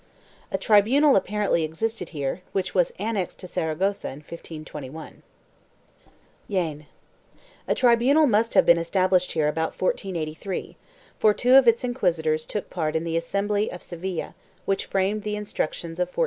A tribunal apparently existed here, which was annexed to Saragossa in 1521. 3 JAEN. A tribunal must have been established here about 1483, for two of its inquisitors took part in the assembly of Seville which framed the Instructions of 1484.